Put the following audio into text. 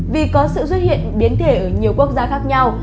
vì có sự xuất hiện biến thể ở nhiều quốc gia khác nhau